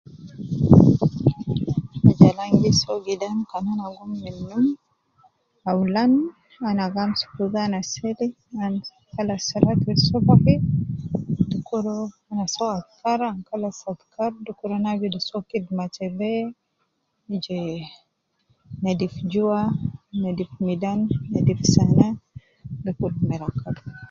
Aja al angiso gidam kan ana gum min num awlan ana gamsuku wudu ana seli an kalas salati subuhi, dukuru ana so azkari kan an kalas azkari dukuru ana abidu so kidima te be je nedif juwa, nedif midan, nedif saana dukur me rakab.